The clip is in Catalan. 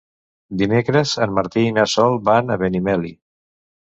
Dimecres en Martí i na Sol van a Benimeli.